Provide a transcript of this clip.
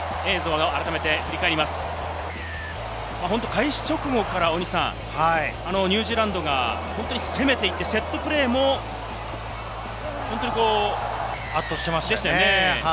開始直後からニュージーランドが攻めていって、セットプレーも圧倒していましたね。